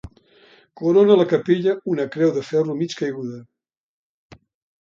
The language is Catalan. Corona la capella una creu de ferro mig caiguda.